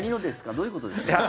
どういうことでしょう？